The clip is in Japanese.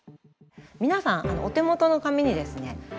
皆さんお手元の紙にですね